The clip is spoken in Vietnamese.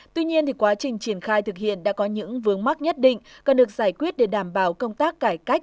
tuy nhiên quá trình triển khai thực hiện đã có những vướng mắc nhất định cần được giải quyết để đảm bảo công tác cải cách